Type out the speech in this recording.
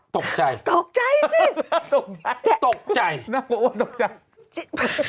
ตกใจตกใจสิตกใจแม่งกลัวว่าตกใจ